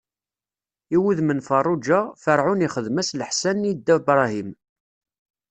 I wudem n Feṛṛuǧa, Ferɛun ixdem-as leḥsan i Dda Bṛahim.